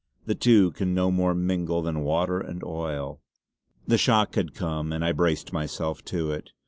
The two can no more mingle than water and oil. The shock had come, and I braced myself to it.